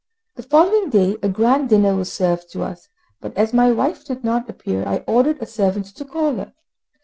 The following day a grand dinner was served to us but as my wife did not appear, I ordered a servant to call her.